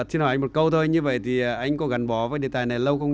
xin hỏi một câu thôi như vậy thì anh có gắn bó với đề tài này lâu không